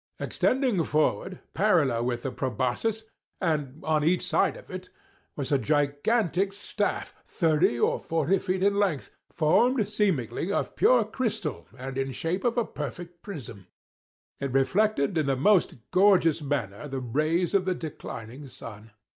Extending forward, parallel with the proboscis, and on each side of it, was a gigantic staff, thirty or forty feet in length, formed seemingly of pure crystal and in shape a perfect prism,—it reflected in the most gorgeous manner the rays of the declining sun.